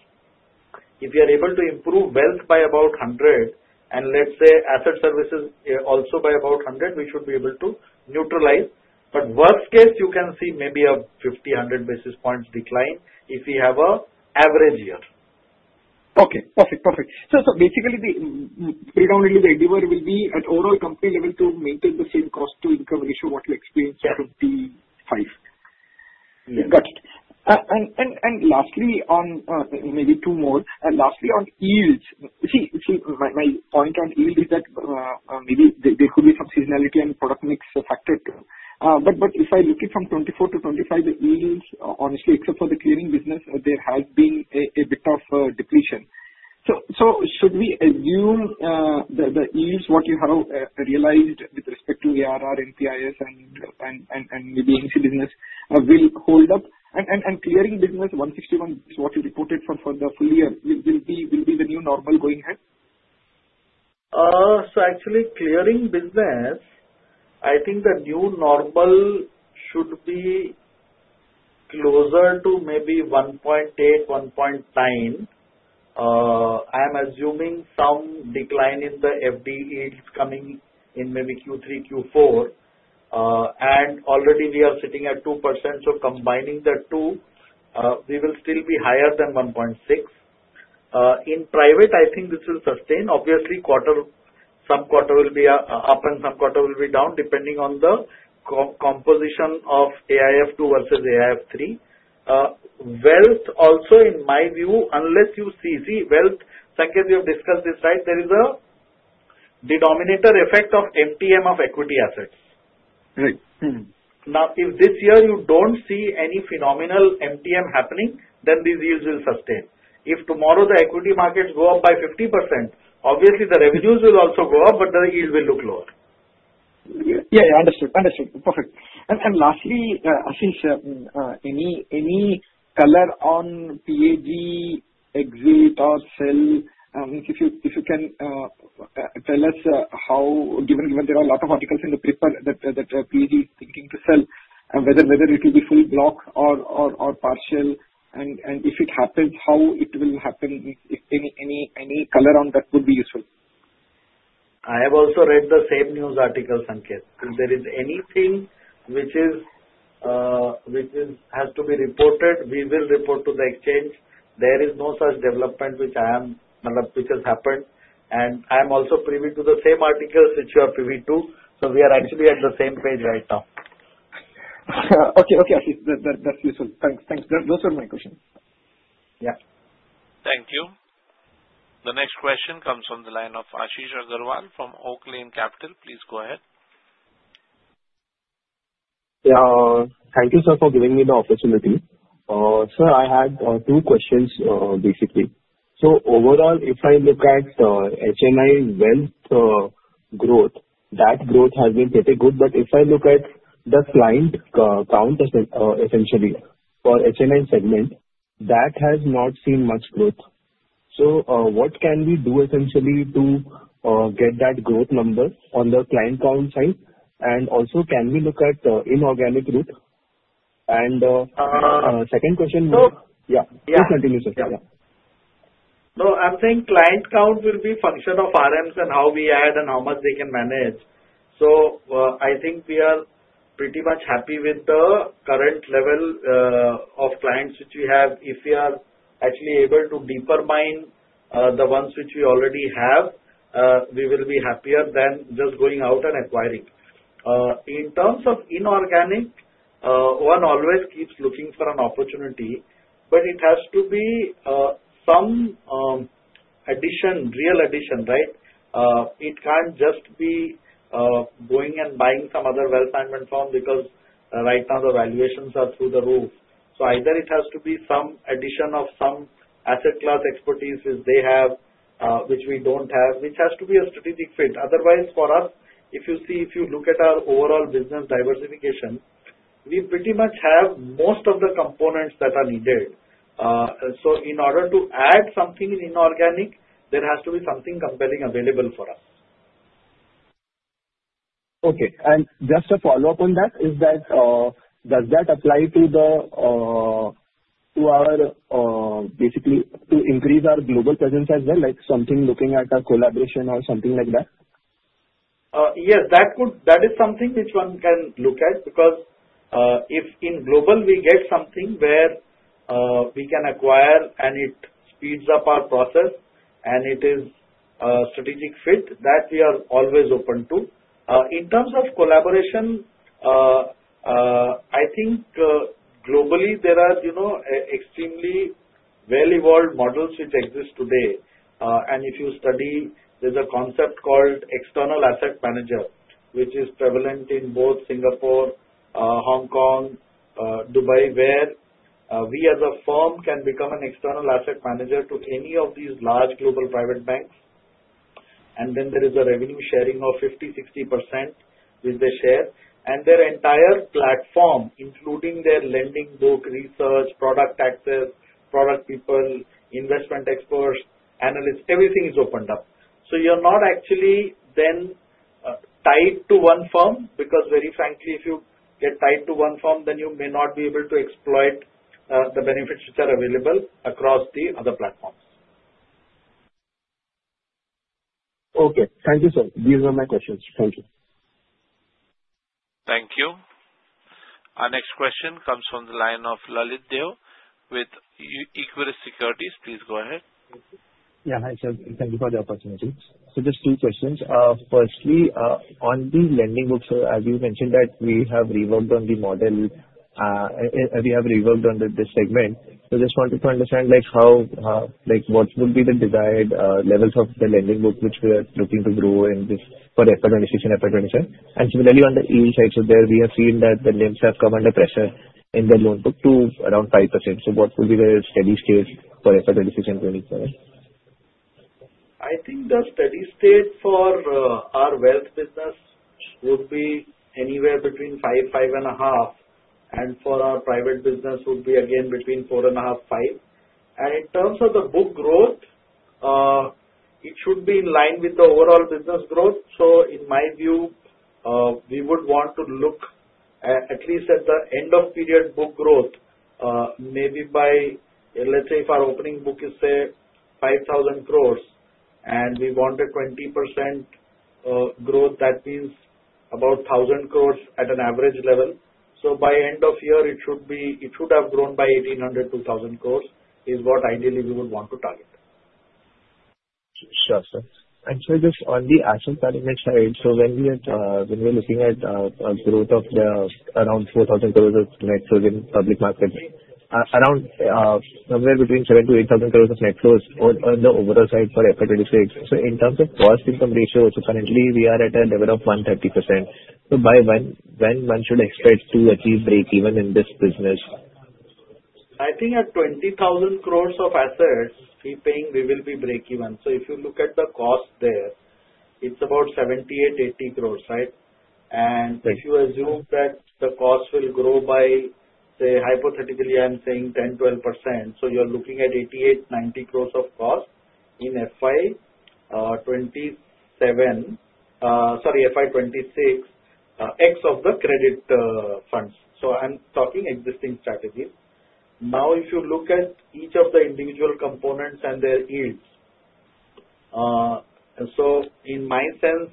if you are able to improve wealth by about 100 and let's say asset services also by about 100, we should be able to neutralize. But worst case, you can see maybe a 50 basis points-100 basis points decline if we have an average year. Okay. Perfect. Perfect. So basically, predominantly, the endeavor will be at overall company level to maintain the same cost-to-income ratio what we experienced in 2025. Got it. And lastly, on maybe two more. Lastly, on yields. See, my point on yield is that maybe there could be some seasonality and product mix affected. But if I look at from 2024 to 2025, the yields, honestly, except for the clearing business, there has been a bit of depletion. So should we assume the yields, what you have realized with respect to ARR, MPIS, and maybe AMC business will hold up? And clearing business, 161 is what you reported for the full year, will be the new normal going ahead? So actually, clearing business, I think the new normal should be closer to maybe 1.8, 1.9. I'm assuming some decline in the FD yields coming in maybe Q3, Q4. And already we are sitting at 2%. So combining the two, we will still be higher than 1.6. In private, I think this will sustain. Obviously, some quarter will be up and some quarter will be down depending on the composition of AIF II versus AIF III. Wealth also, in my view, unless you see, wealth, Sanketh, you have discussed this, right? There is a denominator effect of MTM of equity assets. Now, if this year you don't see any phenomenal MTM happening, then these yields will sustain. If tomorrow the equity markets go up by 50%, obviously the revenues will also go up, but the yield will look lower. Yeah. Yeah. Understood. Understood. Perfect. And lastly, Ashish, any color on PAG exit or sell? If you can tell us how, given there are a lot of articles in the paper that PAG is thinking to sell, whether it will be full block or partial, and if it happens, how it will happen, any color on that would be useful. I have also read the same news article, Sanketh. If there is anything which has to be reported, we will report to the exchange. There is no such development which I am which has happened, and I am also privy to the same articles which you are privy to. So we are actually on the same page right now. Okay. Okay. That's useful. Thanks. Thanks. Those were my questions. Yeah. Thank you. The next question comes from the line of Ashish Agarwal from Oaklane Capital. Please go ahead. Yeah. Thank you, sir, for giving me the opportunity. Sir, I had two questions, basically. So overall, if I look at HNI wealth growth, that growth has been pretty good. But if I look at the client count, essentially, for HNI segment, that has not seen much growth. So what can we do, essentially, to get that growth number on the client count side? And also, can we look at inorganic growth? And second question, yeah. Please continue, sir. Yeah. No, I'm saying client count will be a function of RMs and how we add and how much they can manage. So I think we are pretty much happy with the current level of clients which we have. If we are actually able to deeper mine the ones which we already have, we will be happier than just going out and acquiring. In terms of inorganic, one always keeps looking for an opportunity, but it has to be some addition, real addition, right? It can't just be going and buying some other wealth management firm because right now the valuations are through the roof. So either it has to be some addition of some asset class expertise which they have, which we don't have, which has to be a strategic fit. Otherwise, for us, if you see, if you look at our overall business diversification, we pretty much have most of the components that are needed. So in order to add something in inorganic, there has to be something compelling available for us. Okay. And just a follow-up on that is that does that apply to our basically to increase our global presence as well, like something looking at a collaboration or something like that? Yes. That is something which one can look at because if in global, we get something where we can acquire and it speeds up our process and it is a strategic fit, that we are always open to. In terms of collaboration, I think globally, there are extremely well-evolved models which exist today. And if you study, there's a concept called external asset manager, which is prevalent in both Singapore, Hong Kong, Dubai, where we as a firm can become an external asset manager to any of these large global private banks. And then there is a revenue sharing of 50%-60% with the share. And their entire platform, including their lending book, research, product access, product people, investment experts, analysts, everything is opened up. So you're not actually then tied to one firm because, very frankly, if you get tied to one firm, then you may not be able to exploit the benefits which are available across the other platforms. Okay. Thank you, sir. These were my questions. Thank you. Thank you. Our next question comes from the line of Lalit Deo with Equirus Securities. Please go ahead. Yeah. Hi, sir. Thank you for the opportunity. So just two questions. Firstly, on the lending books, as you mentioned that we have reworked on the model, we have reworked on the segment. So I just wanted to understand how what would be the desired levels of the lending book which we are looking to grow in this for FY 2026 and FY 2027. Similarly, on the yield side, so there we have seen that the names have come under pressure in the loan book to around 5%. What would be the steady state for FY 2026 and FY 2027? I think the steady state for our wealth business would be anywhere between 5% and 5.5%. For our private business, it would be again between 4.5 and 5%. In terms of the book growth, it should be in line with the overall business growth. In my view, we would want to look at least at the end-of-period book growth, maybe by, let's say, if our opening book is, say, 5,000 crores and we want a 20% growth, that means about 1,000 crores at an average level. So by end of year, it should have grown by 1,800 crores-2,000 crores, is what ideally we would want to target. Sure, sir. Actually, just on the asset management side, so when we are looking at growth of around 4,000 crores of net flow in public markets, around somewhere between 7,000 crores-8,000 crores of net flows on the overall side for FY 2026. So in terms of cost-income ratio, so currently, we are at a level of 130%. So by when one should expect to achieve break-even in this business? I think at 20,000 crores of assets we paying, we will be break-even. So if you look at the cost there, it's about 78-80 crores, right? And if you assume that the cost will grow by, say, hypothetically, I'm saying 10%-12%, so you're looking at 88 crores-90 crores of cost in FY 2027, sorry, FY 2026, ex of the credit funds. So I'm talking existing strategies. Now, if you look at each of the individual components and their yields, so in my sense,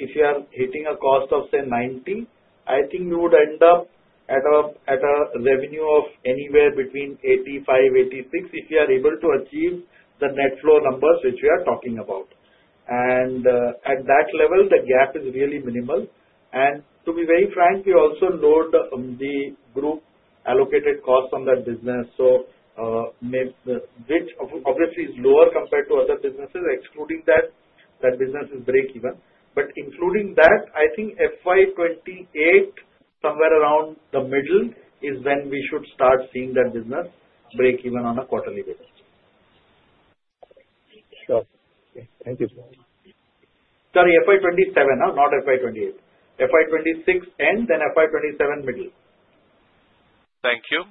if you are hitting a cost of, say, 90, I think you would end up at a revenue of anywhere between 85-86 if you are able to achieve the net flow numbers which we are talking about. And at that level, the gap is really minimal. And to be very frank, we also lowered the group allocated costs on that business. So which obviously is lower compared to other businesses. Excluding that, that business is break-even. But including that, I think FY 2028, somewhere around the middle is when we should start seeing that business break-even on a quarterly basis. Sure. Okay. Thank you. Sorry, FY 2027, not FY 2028. FY 2026 end, then FY 2027 middle. Thank you.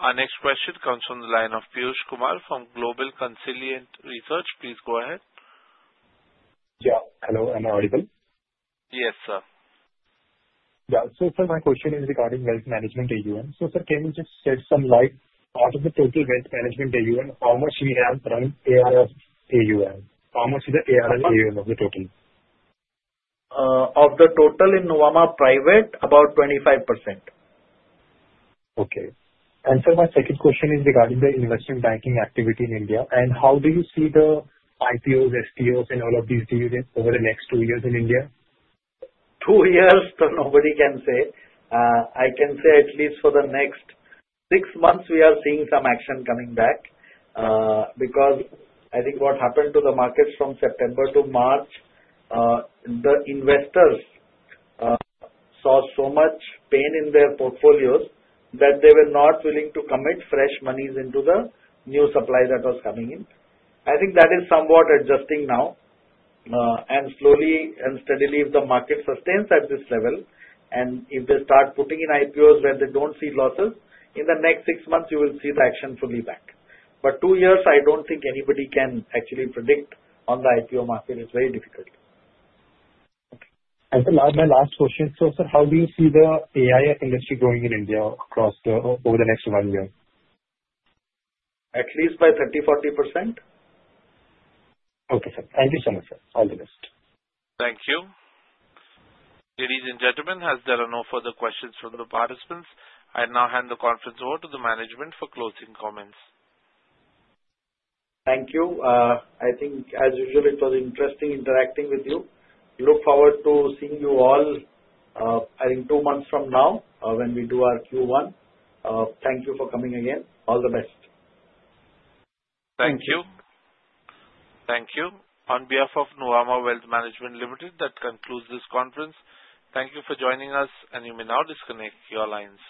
Our next question comes from the line of Piyush Kumar from Global Consilient Research. Please go ahead. Yeah. Hello. I'm audible. Yes, sir. Yeah. So sir, my question is regarding wealth management AUM. So sir, can you just shed some light? Out of the total wealth management AUM, how much we have in AIF AUM? How much is the AIF AUM of the total? Of the total in Nuvama Private, about 25%. Okay. And sir, my second question is regarding the investment banking activity in India. And how do you see the IPOs, SPOs, and all of these deals over the next two years in India? Two years, nobody can say. I can say at least for the next six months, we are seeing some action coming back because I think what happened to the markets from September to March, the investors saw so much pain in their portfolios that they were not willing to commit fresh monies into the new supply that was coming in. I think that is somewhat adjusting now, and slowly and steadily, if the market sustains at this level, and if they start putting in IPOs where they don't see losses, in the next six months, you will see the action fully back, but two years, I don't think anybody can actually predict on the IPO market. It's very difficult. Okay, and my last question. So sir, how do you see the AIF industry growing in India across over the next one year? At least by 30%-40%. Okay, sir. Thank you so much, sir. All the best. Thank you. Ladies and gentlemen, are there no further questions from the participants? I now hand the conference over to the management for closing comments. Thank you. I think, as usual, it was interesting interacting with you. Look forward to seeing you all, I think, two months from now when we do our Q1. Thank you for coming again. All the best. Thank you. Thank you. On behalf of Nuvama Wealth Management Limited, that concludes this conference. Thank you for joining us, and you may now disconnect. Your lines.